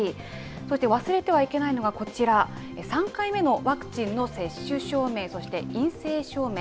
そして、忘れてはいけないのが、こちら、３回目のワクチンの接種証明、そして陰性証明。